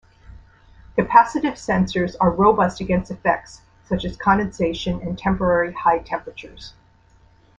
Capacitive sensors are robust against effects such as condensation and temporary high temperatures.